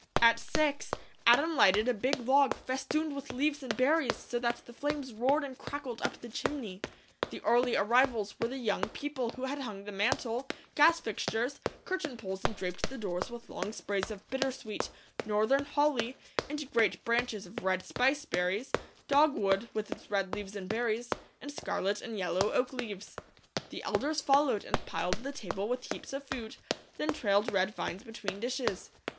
At six, Adam lighted a big log, festooned with leaves and berries so that the flames roared and crackled up the chimney. The early arrivals were the young people who had hung the mantel, gas fixtures, curtain poles and draped the doors with long sprays of bittersweet, northern holly, and great branches of red spice berries, dogwood with its red leaves and berries, and scarlet and yellow oak leaves. The elders followed and piled the table with heaps of food, then trailed red vines between dishes.